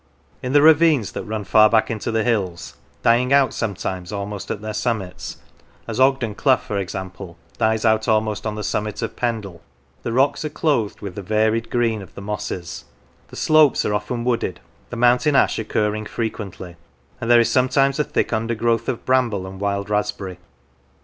In the ravines that run far back into the hills, dying out sometimes almost at their summits, as Ogden Clough, for example, dies out almost on the summit of Pendle, the rocks are clothed with the varied green of the mosses ; the slopes are often wooded, the mountain ash occurring frequently; and there is sometimes a thick undergrowth of bramble and wild raspberry.